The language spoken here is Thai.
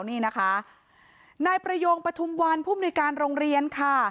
นี่นะคะนายประโยงปฐุมวันผู้มนุยการโรงเรียนค่ะ